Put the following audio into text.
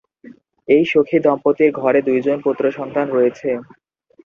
এই সুখী দম্পতির ঘরে দুইজন পুত্র সন্তান রয়েছে।